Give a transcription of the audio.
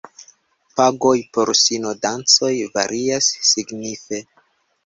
Pagoj por sinodancoj varias signife.